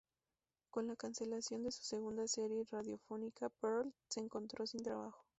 Con la cancelación de su segunda serie radiofónica, Pearl se encontró sin trabajo.